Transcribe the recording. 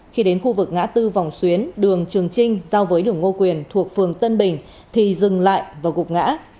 khi đến khu vực ngã tư vòng xuyến đường trường trinh giao với đường ngô quyền thuộc phường tân bình thì dừng lại và gục ngã